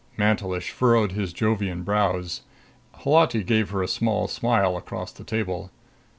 Mantelish furrowed his Jovian brows. Holati gave her a small smile across the table.